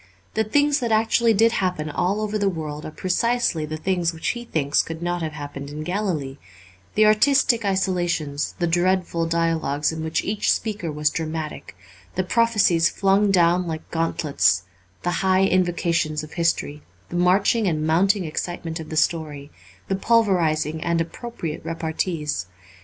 The things that actually did happen all over the world are precisely the things which he thinks could not have happened in Galilee, the artistic isolations, the dreadful dialogues in which each speaker was dramatic, the prophecies flung down like gauntlets, the high invocations of history, the marching and mounting excitement of the story, the pulverizing and appropriate repartees.